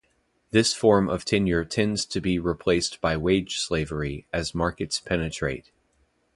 This form of tenure tends to be replaced by wage slavery as markets penetrate.